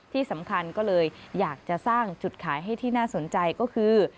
ที่สำคัญก็เลยอยากจะสร้างจุดขายให้ที่น่าสนใจก็คือ